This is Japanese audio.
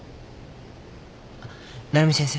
あっ鳴海先生。